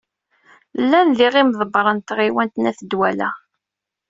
Llan diɣ imḍebbren n tɣiwant n At Ddwala.